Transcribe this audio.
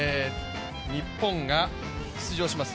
日本が出場します